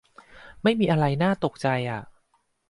ไม่มีอะไรน่าตกใจอ่ะ